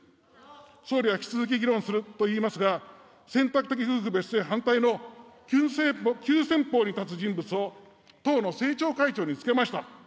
総理は引き続き議論するといいますが、選択的夫婦別姓反対の急先鋒に立つ人物を党の政調会長につけました。